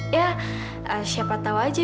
ya siapa tahu aja